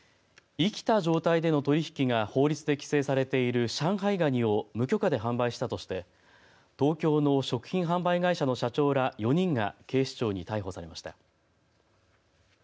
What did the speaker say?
生きた状態での取り引きが法律で規制されている上海ガニを無許可で販売したとして東京の食品販売会社の社長ら４人が警視庁に逮捕されました。